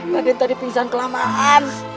raden tadi pingsan kelamaan